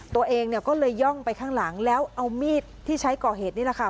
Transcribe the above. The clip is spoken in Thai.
ตัวเองเนี่ยก็เลยย่องไปข้างหลังแล้วเอามีดที่ใช้ก่อเหตุนี่แหละค่ะ